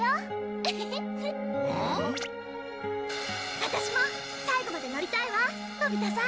ワタシも最後まで乗りたいわのび太さん。